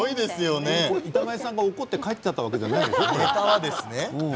板前さんが怒って帰ってしまったわけではないんですよね。